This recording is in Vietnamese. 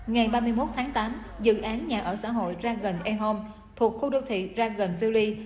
ngày ba mươi một tháng tám dự án nhà ở xã hội ragon airhome thuộc khu đô thị ragon village